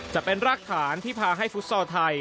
จะเป็นรากฐานที่พาให้ฟุตซอลไทย